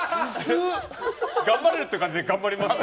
頑張れるって感じで頑張りますって。